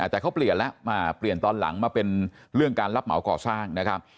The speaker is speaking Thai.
แต่เขาเปลี่ยนแล้วเปลี่ยนตอนหลังมาเป็นเรื่องการรับเหมาก่อสร้างนะครับ